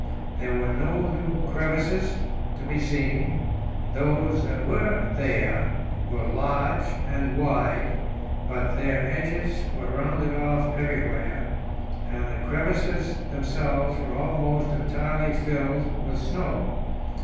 There were no new crevasses to be seen; those that there were, were large and wide, but their edges were rounded off everywhere, and the crevasses themselves were almost entirely filled with snow.